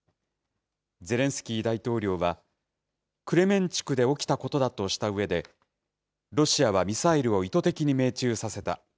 ゼレンスキー大統領は、クレメンチュクで起きたことだとしたうえで、ロシアはミサイルを意図的に命中させた。